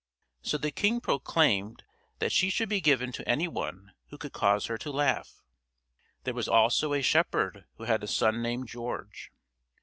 So the king proclaimed that she should be given to any one who could cause her to laugh. There was also a shepherd who had a son named George.